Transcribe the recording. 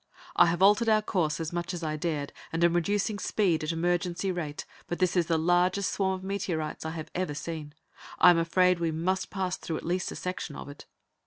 "I have altered our course as much as I dared and am reducing speed at emergency rate, but this is the largest swarm of meteorites I have ever seen. I am afraid that we must pass through at least a section of it."